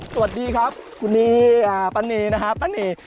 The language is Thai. สวัสดีครับคุณนีป้านีนะครับป้านี